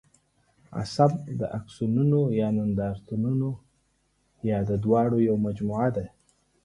عصب د آکسونونو یا دندرایتونو یا د دواړو یوه مجموعه ده.